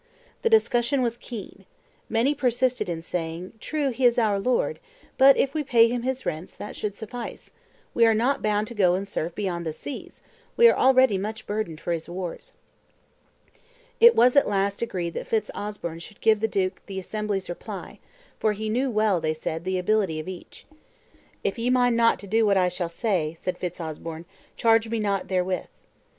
The discussion was keen. Many persisted in saying, "True, he is our lord; but if we pay him his rents, that should suffice: we are not bound to go and serve beyond the seas; we are already much burdened for his wars." It was at last agreed that Fitz Osbern should give the duke the assembly's reply; for he knew well, they said, the ability of each. "If ye mind not to do what I shall say," said Fitz Osbern, "charge me not therewith."